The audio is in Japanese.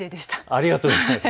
ありがとうございます。